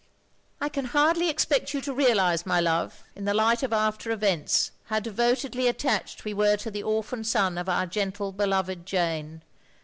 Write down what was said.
"I can hardly expect you to realise, my love, in the light of after events, how devotedly at tached we were to the orphan son of our gentle beloved Jane.